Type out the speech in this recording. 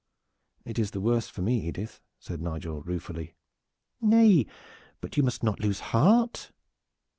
"It is the worse for me, Edith," said Nigel ruefully. "Nay, but you must not lose heart."